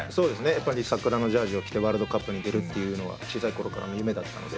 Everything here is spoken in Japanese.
やっぱり桜のジャージを着てワールドカップに出るっていうのは小さい頃からの夢だったので。